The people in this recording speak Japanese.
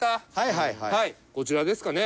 はいこちらですかね。